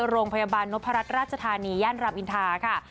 โรงพยาบาลนพรัชราชธานีย่านรามอินทาค่ะ